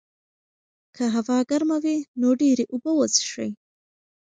که هوا ګرمه وي، نو ډېرې اوبه وڅښئ.